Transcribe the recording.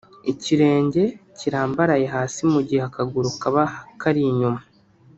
ikirenge kirambaraye hasi mu gihe akaguru kaba kari inyuma